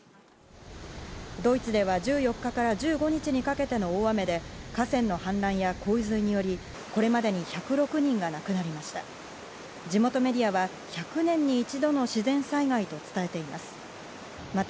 ドイツでは１４日から１５日にかけての大雨で河川の氾濫や洪水により、これまでに１０６人が亡くなりました。